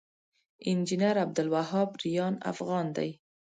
انجنير عبدالوهاب ريان افغان دی